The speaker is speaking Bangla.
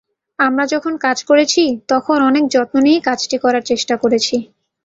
আমরা যখন কাজ করেছি, তখন অনেক যত্ন নিয়েই কাজটি করার চেষ্টা করেছি।